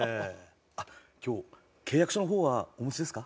今日契約書の方はお持ちですか？